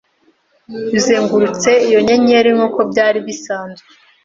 Uzengurutse izo nyenyeri nkuko byari bisanzwe